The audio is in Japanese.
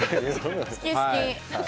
好き、好き！